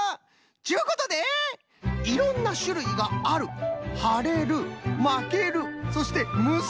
ちゅうことで「いろんなしゅるいがある」「はれる」「まける」そして「むすべる」